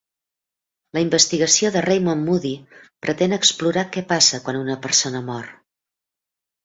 La investigació de Raymond Moody pretén explorar què passa quan una persona mor.